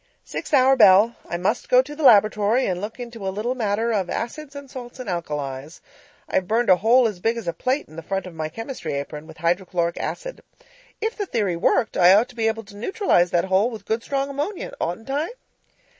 Sixth hour bell I must go to the laboratory and look into a little matter of acids and salts and alkalis. I've burned a hole as big as a plate in the front of my chemistry apron, with hydrochloric acid. If the theory worked, I ought to be able to neutralize that hole with good strong ammonia, oughtn't I?